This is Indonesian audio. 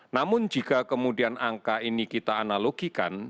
namun jika kemudian angka ini kita analogikan